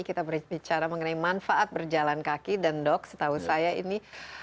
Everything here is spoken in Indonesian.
kita berbicara mengenai manfaat berjalan kaki dan dok setahu saya ini